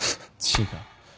違う